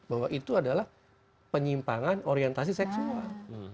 bahwa itu adalah penyimpangan orientasi seksual